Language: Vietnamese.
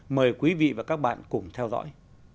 mời quý vị và các bạn cùng theo dõi